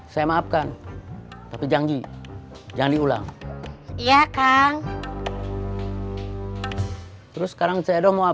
saya maafkan tapi janji jangan diulang iya kang terus sekarang saya mau